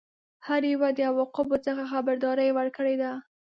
هر یوه د عواقبو څخه خبرداری ورکړی دی.